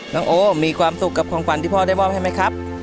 น้องโอมีความสุขกับของขวัญที่พ่อได้มอบให้ไหมครับ